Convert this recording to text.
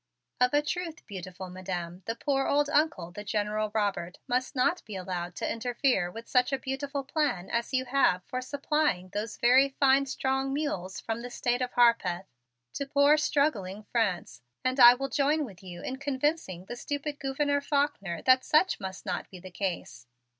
"Of a truth, beautiful Madam, the poor old Uncle, the General Robert, must not be allowed to interfere with such a beautiful plan as you have for supplying those very fine strong mules from the State of Harpeth to poor struggling France, and I will join with you in convincing the stupid Gouverneur Faulkner that such must not be the case.